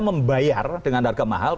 membayar dengan harga mahal